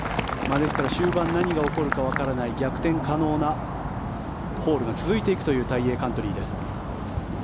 ですから終盤何が起こるかわからない逆転可能なホールが続いていくという大栄カントリーです。